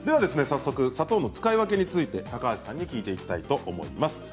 早速、砂糖の使い分けについて高橋さんに聞いていきます。